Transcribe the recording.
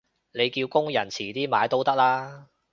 你叫工人遲啲買都得啦